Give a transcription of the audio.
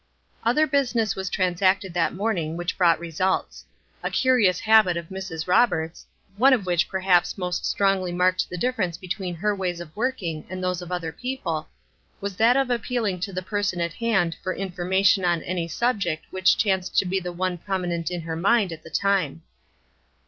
Other business was transacted that morning which brought results. A curious habit of Mrs. Roberts', one which, perhaps, most strongly marked the difference between her ways of working and those of other people, was that of appealing to the person at hand for information on any subject which chanced to be the one prominent in her mind at the time.